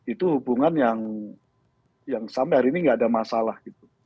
itu hubungan yang sampai hari ini enggak ada masalah